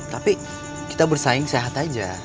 tapi kita bersaing sehat aja